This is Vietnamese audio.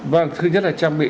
vâng thứ nhất là trang bị